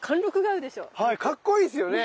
はいかっこいいですよね。